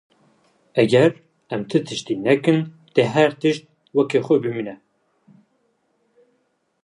Eger em ti tiştî nekin dê her tişt wekî xwe bimîne.